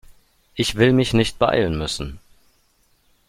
Ich will mich nicht beeilen müssen.